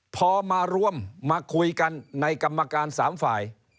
พอมารวมมาคุยกันในกรรมการ๓ฝ่าย